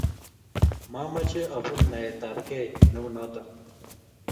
mamache apun naet ab keiy neu notok